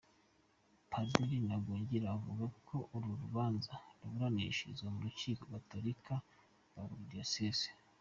Padiri Ntagungira avuga ko uru rubanza ruburanishirizwa mu rukiko Gatolika rwa buri diyoseze.